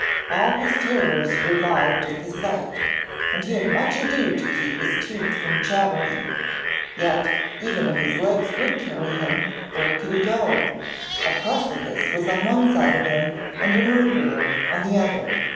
All his terrors revived at the sight, and he had much ado to keep his teeth from chattering. Yet, even if his legs would carry him, where could he go? A precipice was on one side of him and a murderer on the other.